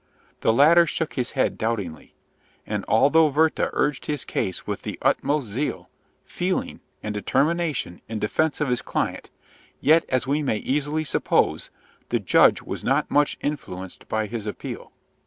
The latter shook, his head doubtingly; and although Werther urged his case with the utmost zeal, feeling, and determination in defence of his client, yet, as we may easily suppose, the judge was not much influenced by his appeal.